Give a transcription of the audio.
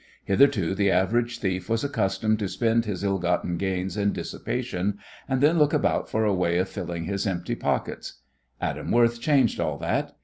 Hitherto the average thief was accustomed to spend his ill gotten gains in dissipation, and then look about for a way of filling his empty pockets. Adam Worth changed all that.